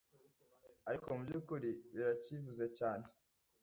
ariko mu by’ukuri birakivuze cyane